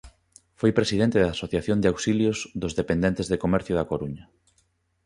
Foi presidente da Asociación de Auxilios dos Dependentes de Comercio da Coruña.